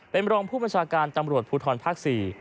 เป็นรองผู้ประชาการตำรวจภูทรภรรณ์ภักษ์สี่